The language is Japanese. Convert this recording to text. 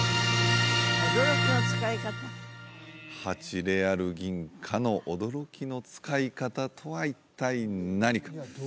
８レアル銀貨の驚きの使い方とは一体何か？